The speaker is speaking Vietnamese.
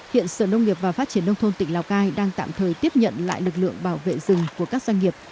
hiện sở nông nghiệp và phát triển nông thôn tỉnh lào cai đang tạm thời tiếp nhận lại lực lượng bảo vệ rừng của các doanh nghiệp